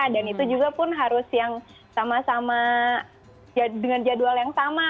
dan itu juga pun harus yang sama sama dengan jadwal yang sama